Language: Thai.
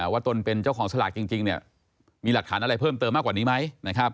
ตนเป็นเจ้าของสลากจริงมีหลักฐานอะไรเพิ่มเติมมากกว่านี้ไหม